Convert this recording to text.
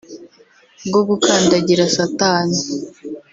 bwo gukandagira Satani